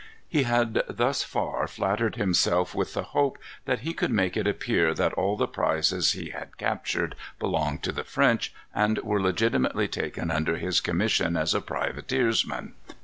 He had thus far flattered himself with the hope that he could make it appear that all the prizes he had captured belonged to the French, and were legitimately taken under his commission as a privateersman.